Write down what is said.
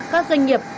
các doanh nghiệp